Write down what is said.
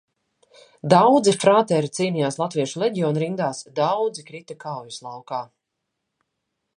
Daudzi frāteri cīnījās Latviešu leģiona rindās, daudzi krita kaujas laukā.